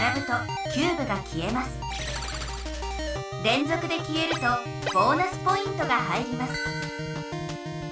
れんぞくで消えるとボーナスポイントが入ります。